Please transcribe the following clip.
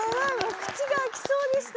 口が開きそうでした！